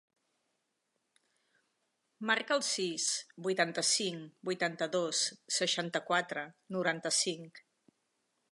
Marca el sis, vuitanta-cinc, vuitanta-dos, seixanta-quatre, noranta-cinc.